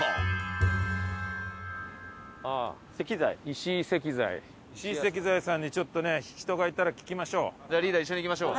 石井石材さんにちょっとね人がいたら聞きましょう。